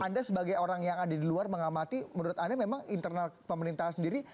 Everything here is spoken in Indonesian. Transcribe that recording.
anda sebagai orang yang ada di luar mengamati menurut anda memang internal pemerintahan sendiri